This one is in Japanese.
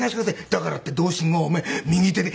「だからって同心がおめえ右手で」。